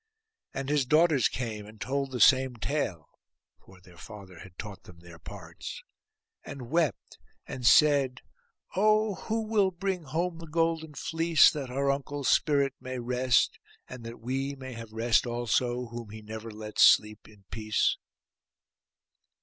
And his daughters came, and told the same tale (for their father had taught them their parts), and wept, and said, 'Oh who will bring home the golden fleece, that our uncle's spirit may rest; and that we may have rest also, whom he never lets sleep in peace?